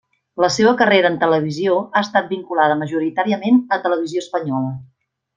La seva carrera en televisió ha estat vinculada majoritàriament a Televisió Espanyola.